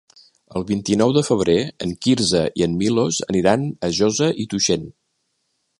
El vint-i-nou de febrer en Quirze i en Milos aniran a Josa i Tuixén.